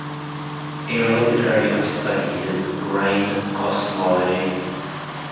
A related area of study is brane cosmology.